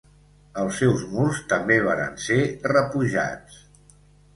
Els seus murs també varen ser repujats.